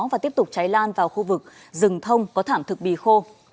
và tiếp tục cháy lan vào khu vực rừng thông có thảm thực bì khô